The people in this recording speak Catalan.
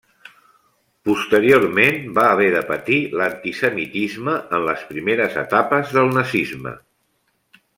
Posteriorment, va haver de patir l'antisemitisme en les primeres etapes del nazisme.